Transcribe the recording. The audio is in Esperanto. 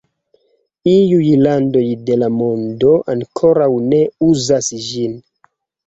Iuj landoj de la mondo ankoraŭ ne uzas ĝin.